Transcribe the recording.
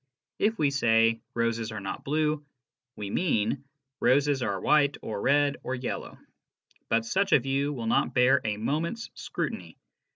If we say " roses are not blue," we mean " roses are white or red or yellow." But such a view will not bear a moment's scrutiny.